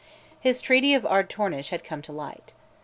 His treaty of Ardtornish had come to light.